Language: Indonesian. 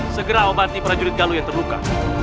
segera membanti prajurit galau yang terluka